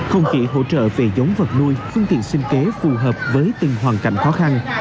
không chỉ hỗ trợ về giống vật nuôi phương tiện sinh kế phù hợp với từng hoàn cảnh khó khăn